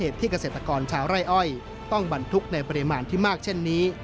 ต้องบรรทุกในปริมาณที่มากเช่นนี้